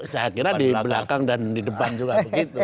saya kira di belakang dan di depan juga begitu